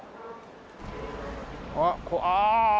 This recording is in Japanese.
あっああ。